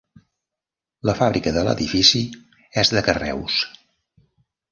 La fàbrica de l'edifici és de carreus.